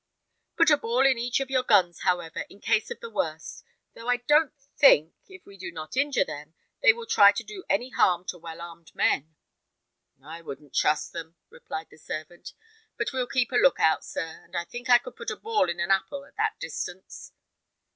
Put a ball in each of your guns, however, in case of the worst; though I don't think, if we do not injure them, they will try to do any harm to well armed men." "I wouldn't trust them," replied the servant; "but we'll keep a look out, sir, and I think I could put a ball in an apple at that distance."